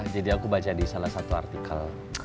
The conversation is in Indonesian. aku baca di salah satu artikel